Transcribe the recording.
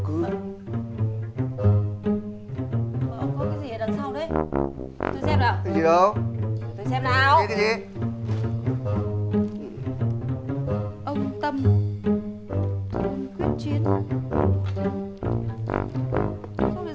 có bao giờ được đi ra khỏi cái lứa chè lạc đâu mà